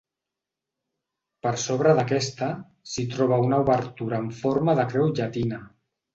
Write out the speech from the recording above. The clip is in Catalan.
Per sobre d'aquesta s'hi troba una obertura en forma de creu llatina.